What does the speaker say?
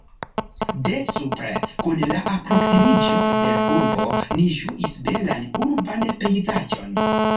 De supre, kun la alproksimiĝo de la urbo ni ĝuis belan urban pejzaĝon.